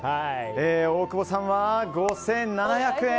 大久保さんは５７００円。